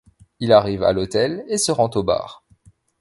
Il arrive à l'hôtel et se rend au bar.